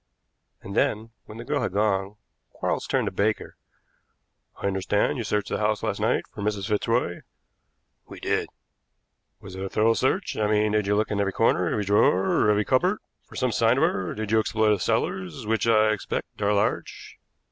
And then, when the girl had gone, Quarles turned to Baker. "I understand you searched the house last night for Mrs. Fitzroy?" "We did." "Was it a thorough search I mean did you look into every corner, every drawer, every cupboard for some sign of her? Did you explore the cellars, which, I expect, are large?"